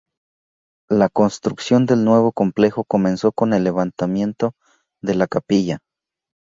La construcción del nuevo complejo comenzó con el levantamiento de la capilla.